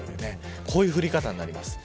こういう降り方になります。